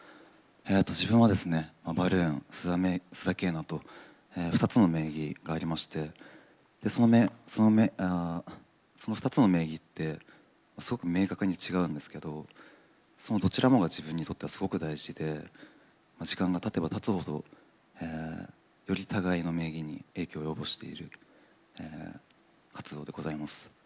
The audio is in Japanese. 自分は、バルーン、須田景凪と２つの名義がありましてその２つの名義ってすごく明確に違うんですけどそのどちらもが自分にとってはすごく大事で時間がたてばたつほどより互いの名義に影響を及ぼしている活動でございます。